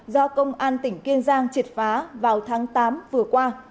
do công an tỉnh kiên giang triệt phá vào tháng tám vừa qua